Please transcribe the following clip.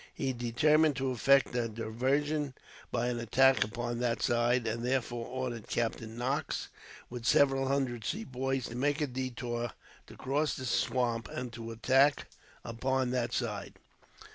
He determined to effect a diversion, by an attack upon that side; and therefore ordered Captain Knox, with seven hundred Sepoys, to make a detour to cross the swamp, and to attack upon that side.